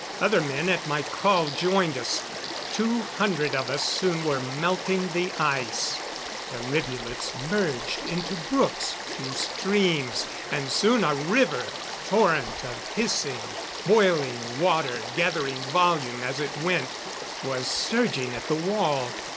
Other men at my call joined us. Two hundred of us soon were melting the ice. The rivulets merged into brooks, to streams and soon a river torrent of hissing, boiling water gathering volume as it went, was surging at the wall.